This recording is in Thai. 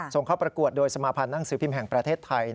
ส่งเขาประกวดโดยสมาภัณฑ์อังสือพิมแห่งประเทศไทย